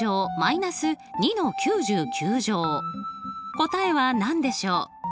答えは何でしょう？